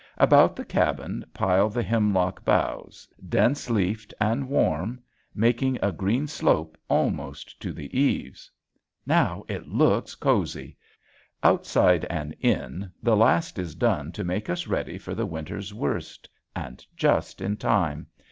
About the cabin pile the hemlock boughs, dense leafed and warm, making a green slope almost to the eaves. Now it looks cozy! Outside and in the last is done to make us ready for the winter's worst, and just in time!